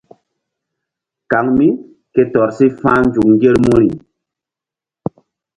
Kaŋ mí ke tɔr si fa̧h nzuk ŋgermuri.